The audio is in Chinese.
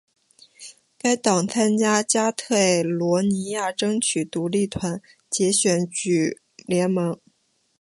该党参加加泰罗尼亚争取独立团结选举联盟。